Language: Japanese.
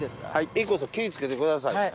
ＩＫＫＯさん気ぃ付けてくださいね。